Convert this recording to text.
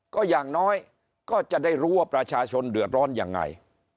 ก็อย่างน้อยก็จะได้รู้ว่าประชาชนเดือดร้อนยังไง